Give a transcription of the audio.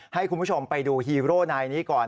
ให้คุณผู้ชมไปดูฮีโร่นายนี้ก่อน